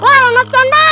wah lemak tonton